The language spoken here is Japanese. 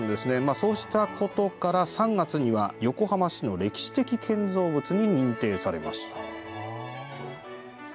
そうしたことから３月には横浜市の歴史的建造物に認定されました。